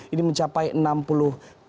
ini mencapai enam puluh tiga